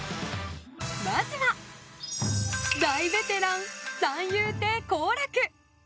まずは大ベテラン、三遊亭好楽。